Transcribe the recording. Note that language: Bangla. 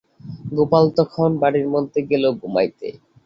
গোপাল তখন বাড়ির মধ্যে গেল ঘুমাইতে।